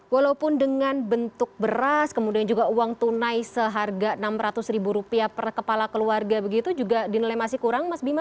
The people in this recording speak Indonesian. walaupun dengan bentuk beras kemudian juga uang tunai seharga rp enam ratus ribu rupiah per kepala keluarga begitu juga dinilai masih kurang mas bima